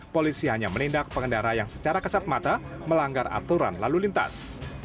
polisi hanya menindak pengendara yang secara kesat mata melanggar aturan lalu lintas